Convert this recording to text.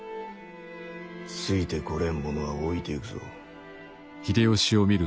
ついてこれん者は置いてゆくぞ。